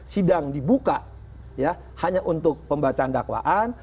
sidang dibuka ya hanya untuk pembacaan dakwaan